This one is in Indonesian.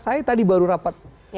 saya tadi baru rapat